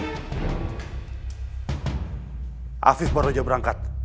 hafiz baru aja berangkat